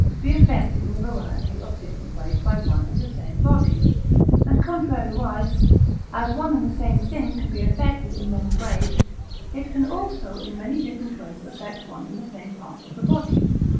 be affected in a variety of different ways by one and the same body; and contrariwise, as one and the same thing can be affected in many ways, it can also in many different ways affect one and the same part of the body.